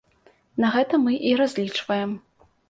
На гэта мы і разлічваем.